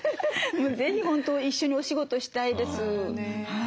もう是非本当一緒にお仕事したいです。